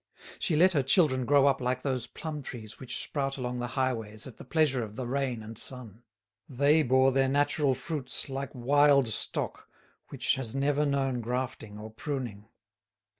She let her children grow up like those plum trees which sprout along the highways at the pleasure of the rain and sun. They bore their natural fruits like wild stock which has never known grafting or pruning.